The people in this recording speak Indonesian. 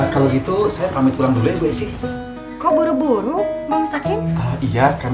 lebih baik tunggu dia di jalan